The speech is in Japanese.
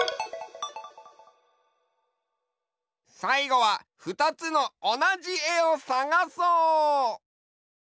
さいごはふたつのおなじえをさがそう！